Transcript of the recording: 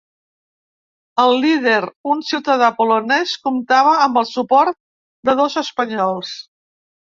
El líder, un ciutadà polonès, comptava amb el suport de dos espanyols.